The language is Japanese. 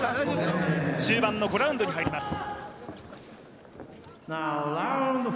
中盤の５ラウンドに入ります。